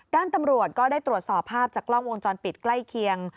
ด้านตำรวจก็ได้ตรวจสอบภาพจากกล้องวงจรปิดใกล้เคียง